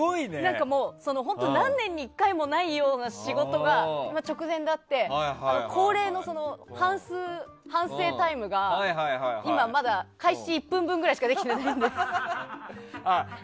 本当に何年に１回もないような仕事が直前であって恒例の反省タイムが今まだ開始１分分ぐらいしかできていないので。